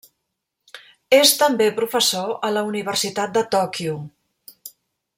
És també professor a la Universitat de Tòquio.